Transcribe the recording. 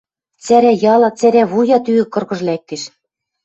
Цӓрӓ яла, цӓрӓ вуя тӱгӹ кыргыж лӓктеш.